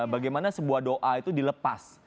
bagaimana sebuah doa itu dilepas